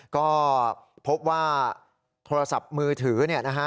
ก็พบว่าโทรศัพท์มือถือ